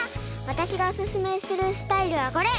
わたしがおすすめするスタイルはこれ。